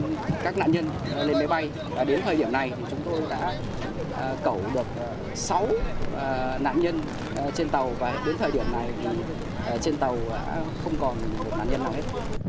trước đó chúng tôi đãos các nạn nhân lên máy bay và đến thời điểm này chúng tôi đã cẩu được sáu nạn nhân trên tàu và đến thời điểm này trên tàu không còn được nạn nhân nào hết